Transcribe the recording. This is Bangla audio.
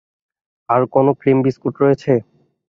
আর কোনো ক্রিম বিস্কুট রয়েছে?